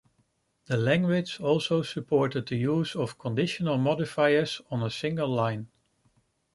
The language also supported the use of conditional modifiers on a single line.